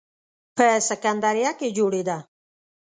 په سکندریه کې جوړېده.